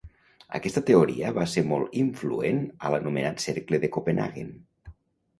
Aquesta teoria va ser molt influent a l'anomenat cercle de Copenhaguen.